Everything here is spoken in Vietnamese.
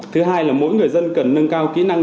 thứ hai là mỗi người dân cần nâng cao kỹ năng